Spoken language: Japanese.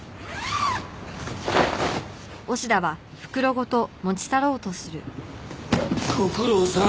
ご苦労さん。